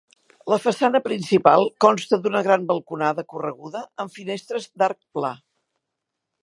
La façana principal consta d'una gran balconada correguda amb finestres d'arc pla.